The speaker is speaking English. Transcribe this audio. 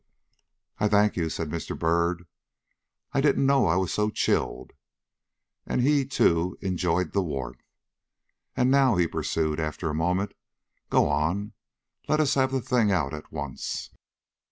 "I thank you," said Mr. Byrd; "I didn't know I was so chilled," and he, too, enjoyed the warmth. "And, now," he pursued, after a moment, "go on; let us have the thing out at once."